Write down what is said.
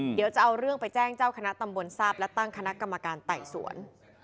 เดี๋ยวจะเอาเรื่องไปแจ้งเจ้าคณะตำบลทราบและตั้งคณะกรรมการไต่สวน